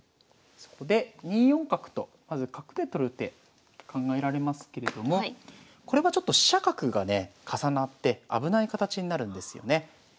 そこで２四角とまず角で取る手考えられますけれどもこれはちょっと飛車角がね重なって危ない形になるんですよね。